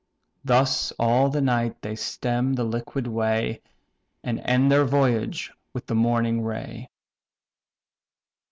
Thus all the night they stem the liquid way, And end their voyage with the morning ray.